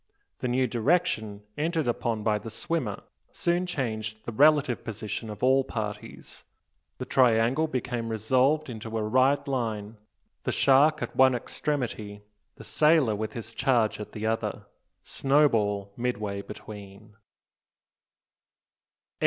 The new direction entered upon by the swimmer soon changed the relative position of all parties. The triangle became resolved into a right line, the shark at one extremity, the sailor with his charge at the other, Snowball midway between!